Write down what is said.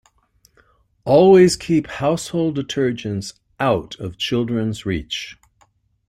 Always keep household detergents out of children's reach.